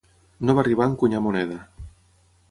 No va arribar a encunyar moneda.